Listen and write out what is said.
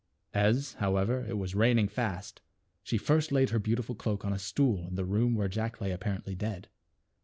As, however, it was raining fast, she first laid her beautiful cloak on a stool in the room where Jack lay apparently dead.